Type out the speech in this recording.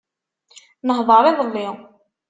Nehḍeṛ idelli.